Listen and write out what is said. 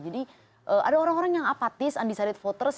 jadi ada orang orang yang apatis undecided voters